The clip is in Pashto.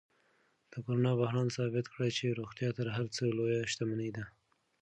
د کرونا بحران ثابت کړه چې روغتیا تر هر څه لویه شتمني ده.